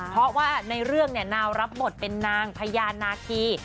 เพราะว่าในเรื่องเนี่ยนาวรับบทเป็นนางพญานาคี